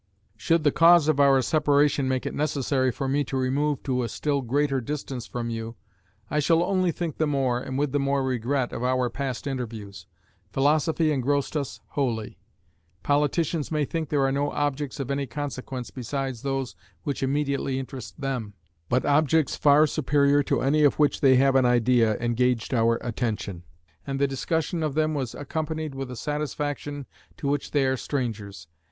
Should the cause of our separation make it necessary for to me remove to a still greater distance from you, I shall only think the more, and with the more regret, of our past interviews.... Philosophy engrossed us wholly. Politicians may think there are no objects of any consequence besides those which immediately interest them. But objects far superior to any of which they have an idea engaged our attention, and the discussion of them was accompanied with a satisfaction to which they are strangers.